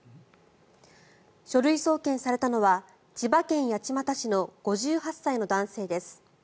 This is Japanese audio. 書類送検されたのは千葉県八街市の５８歳の男性です。